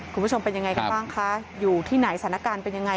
คุณผู้ชมเป็นยังไงกันบ้างคะอยู่ที่ไหนสถานการณ์เป็นยังไง